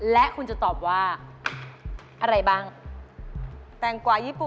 และคุณจะตอบว่าอะไรบ้าง